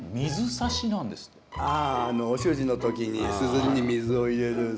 ああお習字の時にすずりに水を入れる水滴。